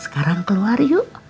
sekarang keluar yuk